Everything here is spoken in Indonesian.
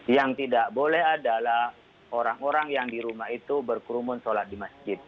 yang tidak boleh adalah orang orang yang di rumah itu berkerumun sholat di masjid